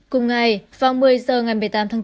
cùng ngày vào một mươi h ngày một mươi tám tháng bốn